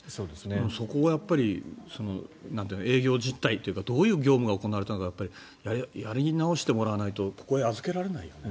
そこがやっぱり営業実態というかどういう業務が行われたのかやり直してもらわないとここへ預けられないよね。